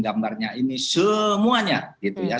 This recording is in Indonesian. gambarnya ini semuanya